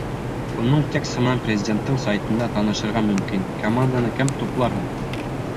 Уның тексы менән Президенттың сайтында танышырға мөмкин. Команданы кем туплар һуң?